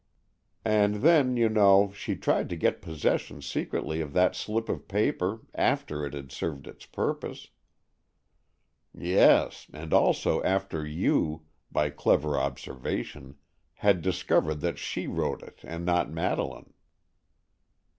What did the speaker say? "And then, you know, she tried to get possession secretly of that slip of paper, after it had served its purpose." "Yes, and also after you, by clever observation, had discovered that she wrote it, and not Madeleine."